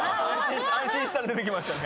安心したら出てきましたね。